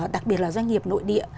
đặc biệt là doanh nghiệp nội địa